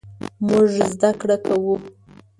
مونږ زده کړه کوو